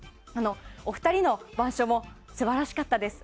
お二人の板書も素晴らしかったです。